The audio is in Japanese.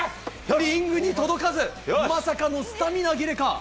リングに届かず、まさかのスタミナ切れか。